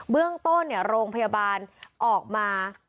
เรื่องต้นโรงพยาบาลออกมา